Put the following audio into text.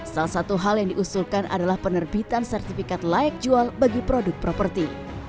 salah satu hal yang diusulkan adalah penerbitan sertifikat layak jual bagi produk properti